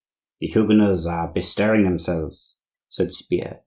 "The Huguenots are bestirring themselves," said Cypierre.